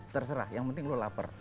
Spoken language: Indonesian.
terserah yang penting lo lapar